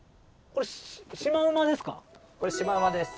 これシマウマです。